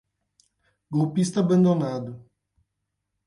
Golpista abandonado